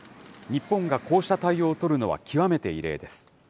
日本がこうした対応を取るのは極めて異例です。